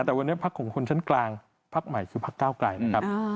แต่วันนี้พักของคนชั้นกลางพักใหม่คือพักเก้าไกลนะครับ